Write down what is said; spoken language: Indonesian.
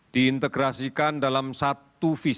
diintegrasikan dalam satu visi